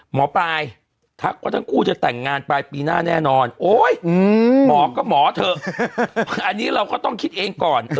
หมอปลายทักว่าทั้งคู่จะแต่งงานปลายปีหน้าแน่นอนโอ๊ยหมอก็หมอเถอะอันนี้เราก็ต้องคิดเองก่อน